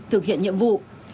thực hiện nhiệm vụ